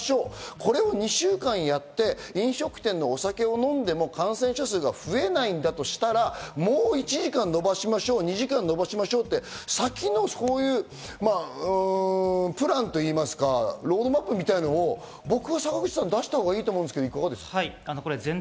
これを２週間やって、飲食店でお酒を飲んでも感染者数が増えないんだとしたら、もう１時間延ばしましょう、２時間延ばしましょうって先のそういうプランといいますか、そういうものを出したほうがいいと思うんですけど、坂口さん。